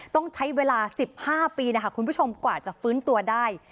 ต้องใช้เวลา๑๕ปีนะคะคุณผู้ชมกว่าจะฟื้นตัวได้